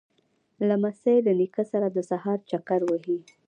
لمسی له نیکه سره د سهار چکر وهي.